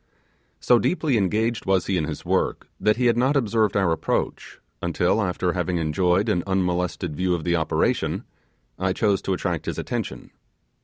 So deeply engaged was he in his work, that he had not observed our approach, until, after having, enjoyed an unmolested view of the operation, I chose to attract his attention.